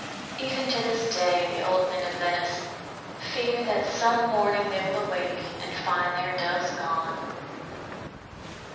Even to this day the old men of Venice fear that some morning they will awake and find their Doves gone.